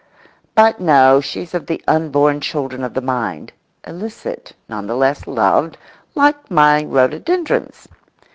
But no; she's of the unborn children of the mind, illicit, none the less loved, like my rhododendrons.